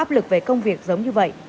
áp lực về công việc giống như vậy